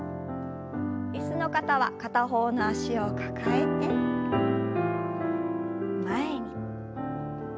椅子の方は片方の脚を抱えて前に。